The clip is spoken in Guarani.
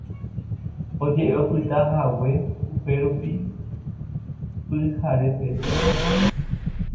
Oje'e opytahague upérupi pyhare peve